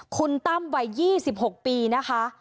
คุณตั้มวัย๒๖ปีนะคะ